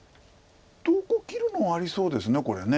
どこ切るのもありそうですこれ。